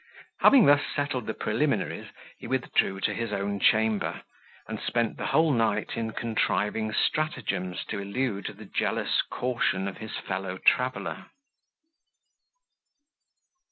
Having thus settled the preliminaries, he withdrew to his own chamber, and spent the whole night in contriving stratagems to elude the jealous caution of his fellow traveller.